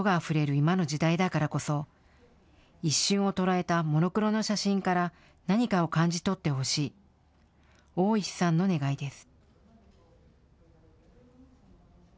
今の時代だからこそ一瞬を捉えたモノクロの写真から何かを感じ取ってほしい、大石さんの願いです。